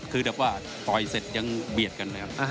คือแบบว่าต่อยเสร็จยังเบียดกันเลยครับ